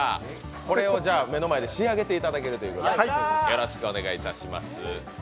これを目の前で仕上げていただけるということでよろしくお願いいたします。